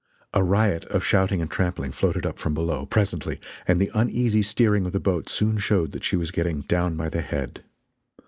A riot of shouting and trampling floated up from below, presently, and the uneasy steering of the boat soon showed that she was getting "down by the head."